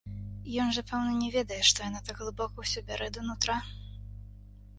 Ён жа, пэўна, не ведае, што яна так глыбока ўсё бярэ да нутра?